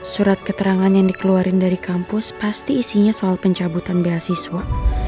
surat keterangan yang dikeluarin dari kampus pasti isinya soal pencabutan beasiswa